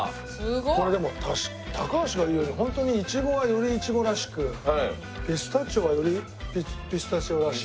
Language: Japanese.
これでも高橋が言うようにホントにいちごはよりいちごらしくピスタチオはよりピスタチオらしい。